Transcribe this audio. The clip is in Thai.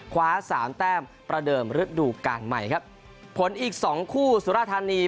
คว้าสามแต้มประเดิมฤดูการใหม่ครับผลอีกสองคู่สุรธานี